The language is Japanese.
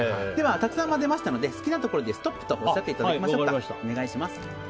たくさん混ぜましたので好きなところでストップとおっしゃっていただけますか。